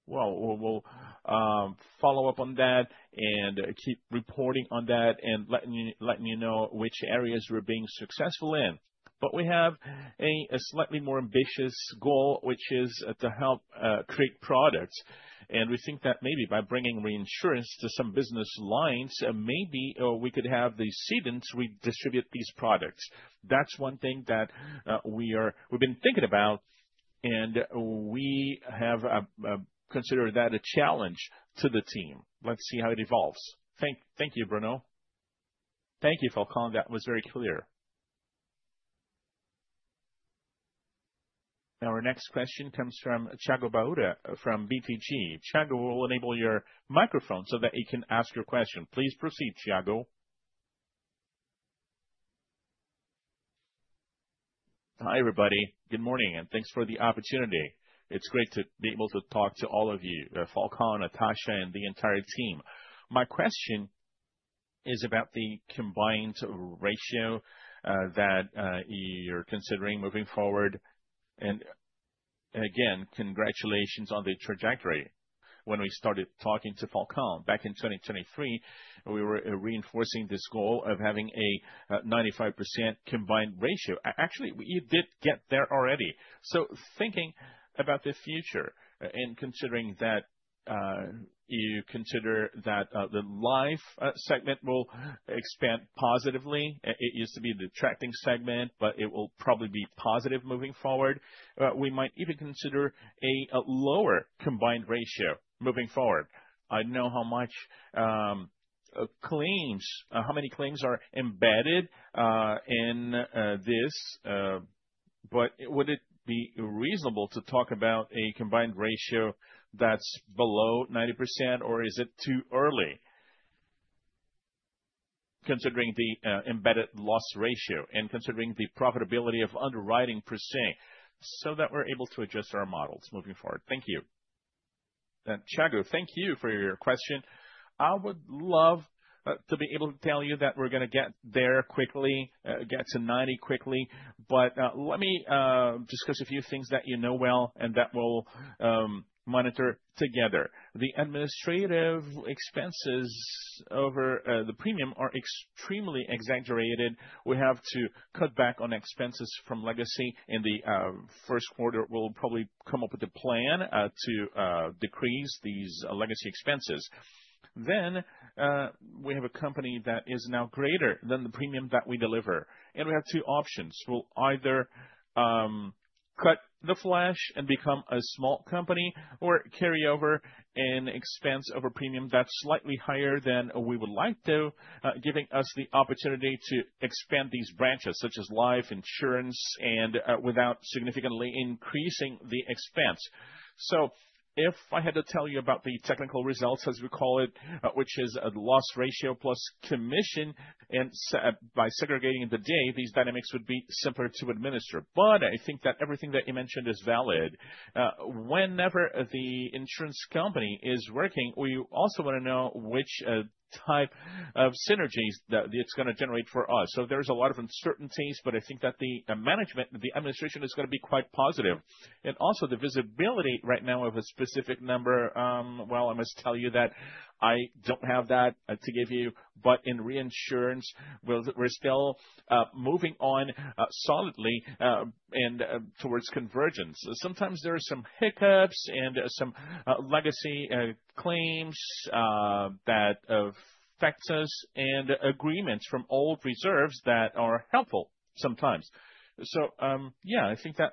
Well, we'll follow up on that and keep reporting on that and letting you, letting you know which areas we're being successful in. But we have a slightly more ambitious goal, which is to help create products. And we think that maybe by bringing reinsurance to some business lines, maybe we could have the cedants redistribute these products. That's one thing that we are—we've been thinking about, and we have considered that a challenge to the team. Let's see how it evolves. Thank you, Bruno. Thank you, Falcão. That was very clear. Our next question comes from Tiago Batista from BPG. Tiago, we'll enable your microphone so that you can ask your question. Please proceed, Tiago. Hi, everybody. Good morning, and thanks for the opportunity. It's great to be able to talk to all of you, Falcão, Natasha, and the entire team. My question is about the combined ratio that you're considering moving forward. Again, congratulations on the trajectory. When we started talking to Falcão back in 2023, we were reinforcing this goal of having a 95% combined ratio. Actually, you did get there already. So thinking about the future and considering that you consider that the life segment will expand positively, it used to be the attracting segment, but it will probably be positive moving forward. We might even consider a lower combined ratio moving forward. I know how much claims how many claims are embedded in this but would it be reasonable to talk about a combined ratio that's below 90%, or is it too early? Considering the embedded loss ratio and considering the profitability of underwriting per se, so that we're able to adjust our models moving forward. Thank you. Tiago, thank you for your question. I would love to be able to tell you that we're gonna get there quickly get to 90 quickly, but let me discuss a few things that you know well and that we'll monitor together. The administrative expenses over the premium are extremely exaggerated. We have to cut back on expenses from legacy. In the first quarter, we'll probably come up with a plan to decrease these legacy expenses. Then, we have a company that is now greater than the premium that we deliver, and we have two options. We'll either, cut the flesh and become a small company, or carry over an expense over premium that's slightly higher than we would like to, giving us the opportunity to expand these branches, such as life insurance and, without significantly increasing the expense. So if I had to tell you about the technical results, as we call it, which is a loss ratio plus commission, and by segregating the day, these dynamics would be simpler to administer. But I think that everything that you mentioned is valid. Whenever the insurance company is working, we also wanna know which type of synergies that it's gonna generate for us. So there's a lot of uncertainties, but I think that the management, the administration, is gonna be quite positive. And also, the visibility right now of a specific number, well, I must tell you that I don't have that to give you, but in reinsurance, we're still moving on solidly and towards convergence. Sometimes there are some hiccups and some legacy claims that affects us, and agreements from old reserves that are helpful sometimes. So, yeah, I think that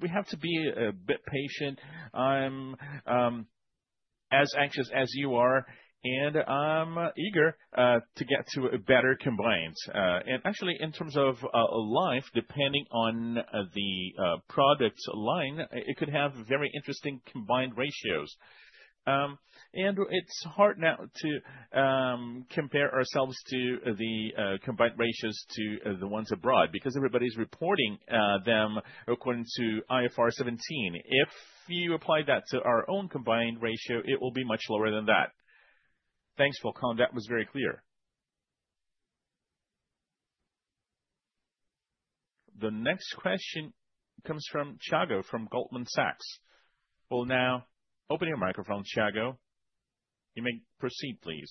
we have to be a bit patient. I'm as anxious as you are, and I'm eager to get to a better combined. And actually, in terms of life, depending on the products line, it could have very interesting combined ratios. And it's hard now to compare ourselves to the combined ratios to the ones abroad, because everybody's reporting them according to IFRS 17. If you apply that to our own combined ratio, it will be much lower than that. Thanks, Falcão, that was very clear. The next question comes from Tiago, from Goldman Sachs. Well, now, open your microphone, Tiago. You may proceed, please.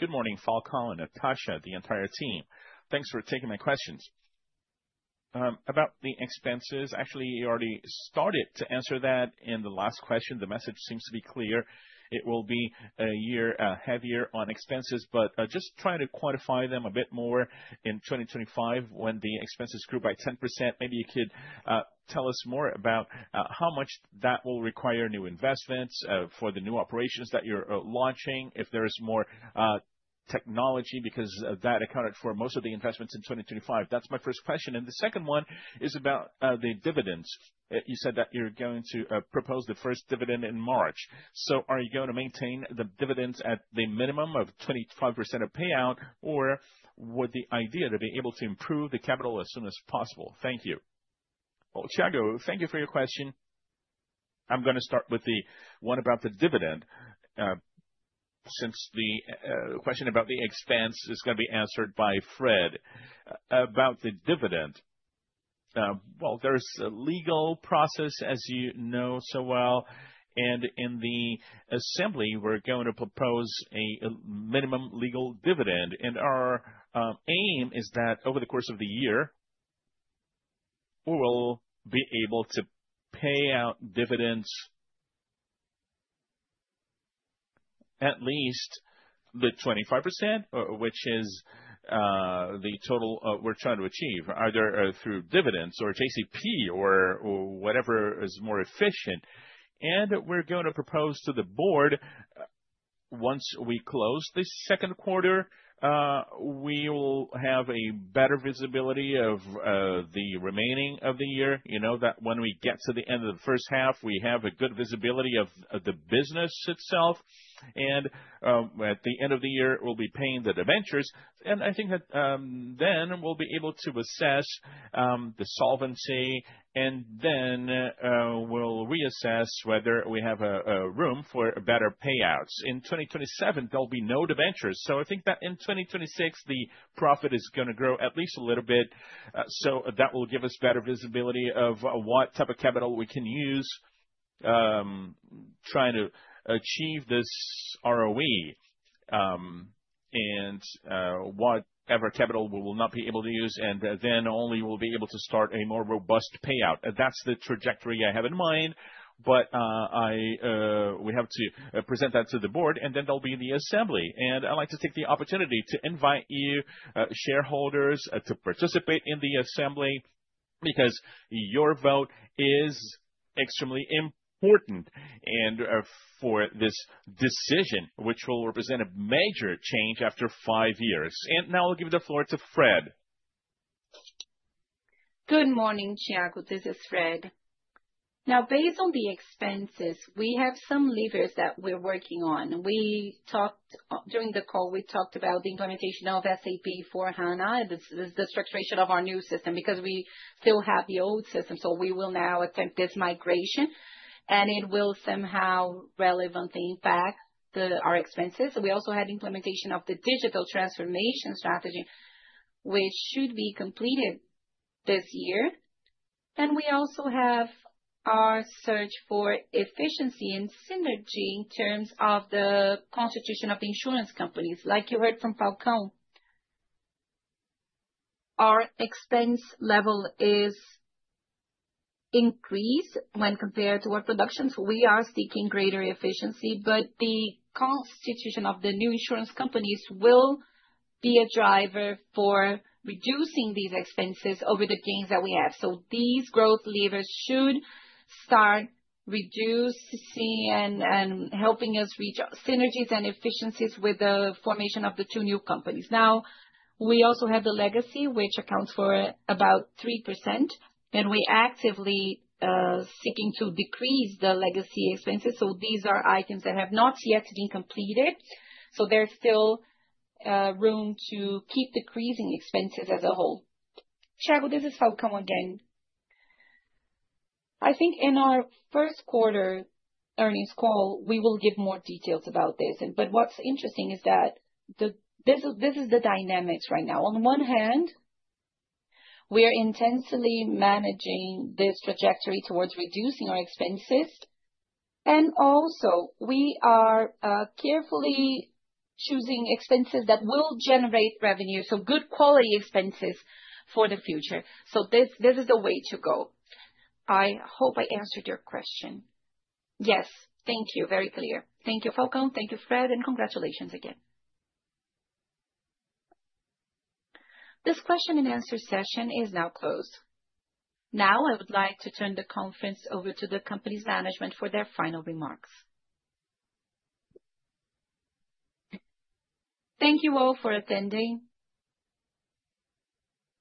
Good morning, Falcão, Natasha, the entire team. Thanks for taking my questions. About the expenses, actually, you already started to answer that in the last question. The message seems to be clear, it will be a year heavier on expenses, but just try to quantify them a bit more in 2025 when the expenses grew by 10%. Maybe you could tell us more about how much that will require new investments for the new operations that you're launching, if there is more technology, because that accounted for most of the investments in 2025. That's my first question, and the second one is about the dividends. You said that you're going to propose the first dividend in March, so are you going to maintain the dividends at the minimum of 25% of payout, or would the idea to be able to improve the capital as soon as possible? Thank you. Well, Tiago, thank you for your question. I'm gonna start with the one about the dividend, since the question about the expense is gonna be answered by Fred. About the dividend, well, there's a legal process, as you know so well, and in the assembly, we're going to propose a minimum legal dividend. And our aim is that over the course of the year, we will be able to pay out dividends. At least the 25%, which is the total we're trying to achieve, either through dividends or JCP or whatever is more efficient. And we're going to propose to the board, once we close the second quarter, we will have a better visibility of the remaining of the year. You know that when we get to the end of the first half, we have a good visibility of the business itself, and at the end of the year, we'll be paying the debentures, and I think that then we'll be able to assess the solvency, and then we'll reassess whether we have a room for better payouts. In 2027, there'll be no debentures, so I think that in 2026, the profit is gonna grow at least a little bit. So that will give us better visibility of what type of capital we can use, trying to achieve this ROE. And whatever capital we will not be able to use, and then only we'll be able to start a more robust payout. That's the trajectory I have in mind, but we have to present that to the board, and then there'll be the assembly. I'd like to take the opportunity to invite you, shareholders, to participate in the assembly, because your vote is extremely important, and for this decision, which will represent a major change after five years. Now I'll give the floor to Fred. Good morning, Tiago, this is Fred. Now, based on the expenses, we have some levers that we're working on. We talked during the call, we talked about the implementation of SAP S/4HANA, the structure of our new system, because we still have the old system. So we will now attempt this migration, and it will somehow relevantly impact our expenses. We also had implementation of the digital transformation strategy, which should be completed this year. And we also have our search for efficiency and synergy in terms of the constitution of the insurance companies. Like you heard from Falcão, our expense level is increased when compared to our production, so we are seeking greater efficiency, but the constitution of the new insurance companies will be a driver for reducing these expenses over the gains that we have. So these growth levers should start reduce, to see and helping us reach synergies and efficiencies with the formation of the two new companies. Now, we also have the legacy, which accounts for about 3%, and we actively seeking to decrease the legacy expenses, so these are items that have not yet been completed. So there's still room to keep decreasing expenses as a whole. Tiago, this is Falcão again. I think in our first quarter earnings call, we will give more details about this. But what's interesting is that this is the dynamics right now. On one hand, we are intensely managing this trajectory towards reducing our expenses, and also we are carefully choosing expenses that will generate revenue, so good quality expenses for the future. So this is the way to go. I hope I answered your question. Yes, thank you, very clear. Thank you, Falcão. Thank you, Fred, and congratulations again. ... This question and answer session is now closed. Now, I would like to turn the conference over to the company's management for their final remarks. Thank you all for attending.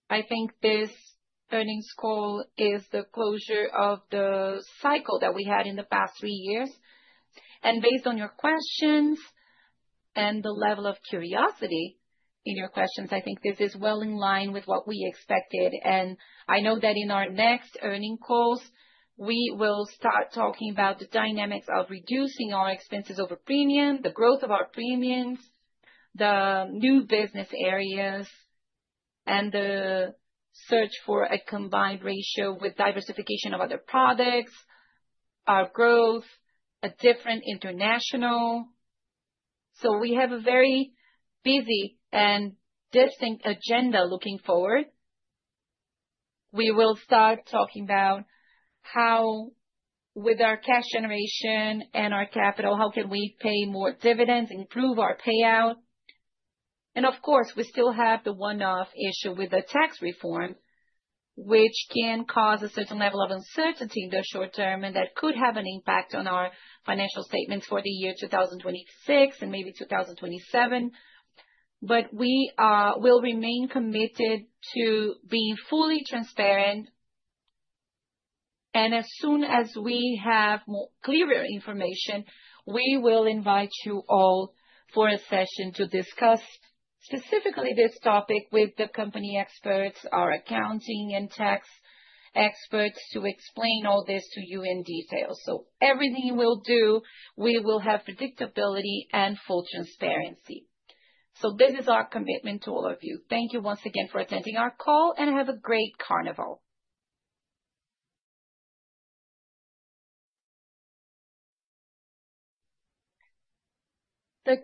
I think this earnings call is the closure of the cycle that we had in the past three years. Based on your questions and the level of curiosity in your questions, I think this is well in line with what we expected. I know that in our next earning calls, we will start talking about the dynamics of reducing our expenses over premium, the growth of our premiums, the new business areas, and the search for a combined ratio with diversification of other products, our growth, a different international. We have a very busy and distinct agenda looking forward. We will start talking about how, with our cash generation and our capital, how can we pay more dividends, improve our payout? And of course, we still have the one-off issue with the tax reform, which can cause a certain level of uncertainty in the short term, and that could have an impact on our financial statements for the year 2026 and maybe 2027. But we will remain committed to being fully transparent. And as soon as we have more clearer information, we will invite you all for a session to discuss specifically this topic with the company experts, our accounting and tax experts, to explain all this to you in detail. So everything we'll do, we will have predictability and full transparency. So this is our commitment to all of you. Thank you once again for attending our call, and have a great Carnival. The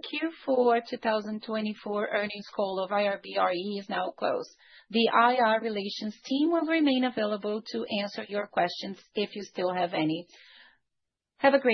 Q4 2024 earnings call of IRB-RE is now closed. The IR relations team will remain available to answer your questions if you still have any. Have a great day!